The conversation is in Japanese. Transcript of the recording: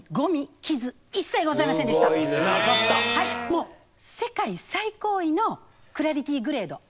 もう世界最高位のクラリティグレード。